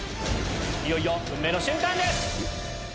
いよいよ運命の瞬間です！